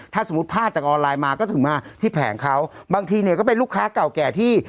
ถ้าสมมุติพลาดจากออนไลน์มาก็ถึงมาที่แผงเขาบางทีเนี่ยก็เป็นลูกค้าเก่าแก่ที่